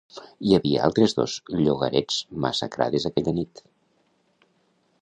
Hi havia altres dos llogarets massacrades aquella nit.